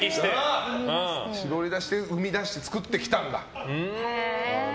絞り出して生み出して作ってきた。